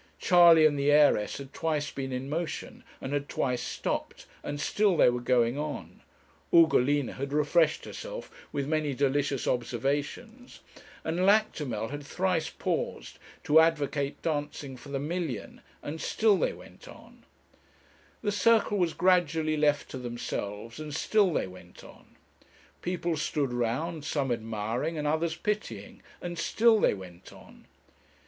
Charley and the heiress had twice been in motion, and had twice stopped, and still they were going on; Ugolina had refreshed herself with many delicious observations, and Lactimel had thrice paused to advocate dancing for the million, and still they went on; the circle was gradually left to themselves, and still they went on; people stood round, some admiring and others pitying; and still they went on.